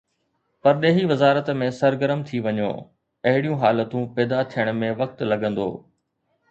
پرڏيهي وزارت ۾ سرگرم ٿي وڃو، اهڙيون حالتون پيدا ٿيڻ ۾ وقت لڳندو.